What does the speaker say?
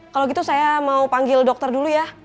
kalau gitu saya mau panggil dokter dulu ya